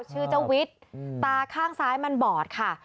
ชื่อเจ้าวิทย์ตาข้างซ้ายมันบอดค่ะ